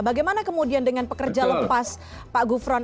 bagaimana kemudian dengan pekerja lepas pak gufron